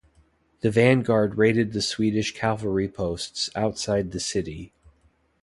The vanguard raided the Swedish cavalry posts outside the city.